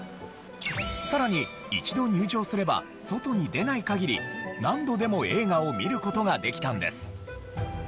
さらに一度入場すれば外に出ない限り何度でも映画を見る事ができたんです。